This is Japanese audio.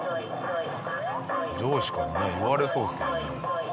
上司からね言われそうですけどね。